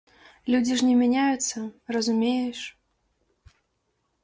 Людзі ж не мяняюцца, разумееш.